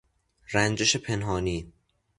رنجش پنهانی